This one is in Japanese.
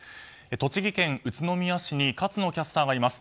栃木県宇都宮市に勝野キャスターがいます。